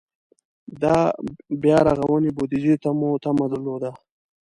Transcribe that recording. د بیا رغونې بودجې ته مو تمه درلوده.